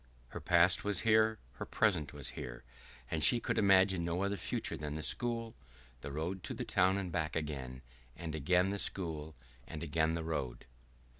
Her past was here, her present was here, and she could imagine no other future than the school, the road to the town and back again, and again the school and again the road....